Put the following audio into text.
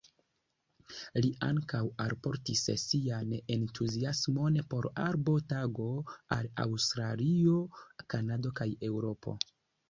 Li ankaŭ alportis sian entuziasmon por Arbo Tago al Aŭstralio, Kanado kaj Eŭropo.